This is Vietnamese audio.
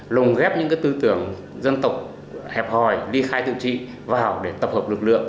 lồng ghép những tư tưởng dân tộc hẹp hòi đi khai tự trị vào để tập hợp lực lượng